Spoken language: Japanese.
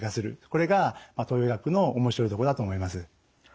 これが東洋医学の面白いところだと思います。